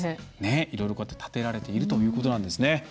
いろいろこうやって建てられているということなんですね。